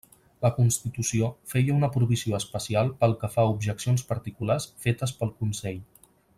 La Constitució feia una provisió especial pel que fa a objeccions particulars fetes pel Consell.